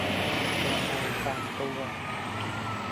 เป็นเงาตามตัว